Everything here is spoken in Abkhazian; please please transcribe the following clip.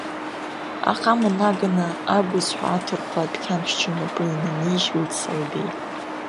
Аҟама наганы агәызҳәа аҭырқәа дәқьанхьча инапы инанижьлеит Салыбеи…